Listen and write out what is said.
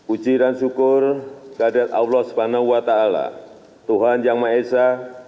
ujiran syukur gadat allah subhanahu wa ta'ala tuhan yang ma'esha